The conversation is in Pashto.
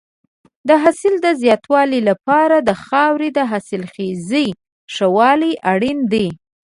د حاصل د زیاتوالي لپاره د خاورې د حاصلخېزۍ ښه والی اړین دی.